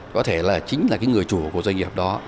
có thể là chính là cái người chủ của doanh nghiệp đó